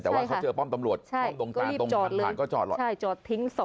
แต่ว่าเขาเจอป้อมตำรวจป้อมตรงตามตรงทันผ่านก็จอดหรอกใช่จอดทิ้ง๒